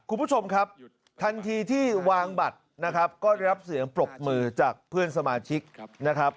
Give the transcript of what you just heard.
คุณผู้ชมครับทันทีที่วางบัตรนะครับก็ได้รับเสียงปรบมือจากเพื่อนสมาชิกนะครับ